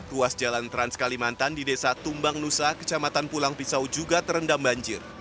ruas jalan trans kalimantan di desa tumbang nusa kecamatan pulang pisau juga terendam banjir